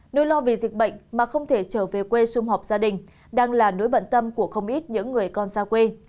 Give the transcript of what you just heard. nỗi lo vì dịch bệnh mà không thể trở về quê xung họp gia đình đang là nỗi bận tâm của không ít những người con xa quê